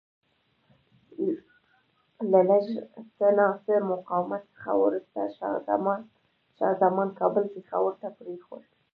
له لږ څه ناڅه مقاومت څخه وروسته شاه زمان کابل پېښور ته پرېښود.